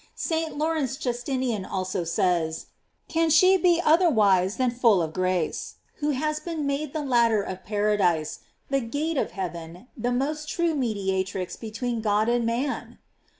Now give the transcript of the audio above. * St. Lawrence Justinian also says: Can she be otherwise than full of grace, who has been made the ladder of paradise, the gate of heaven, the most true mediatrix between God and man?